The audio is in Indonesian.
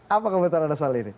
apa komentar anda soal ini